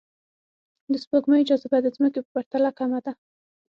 د سپوږمۍ جاذبه د ځمکې په پرتله کمه ده